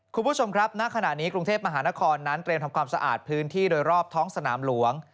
คุณผู้ชมครับณขณะนี้กรุงเทพมหานครนั้นเตรียมทำความสะอาดพื้นที่โดยรอบท้องสนามหลวง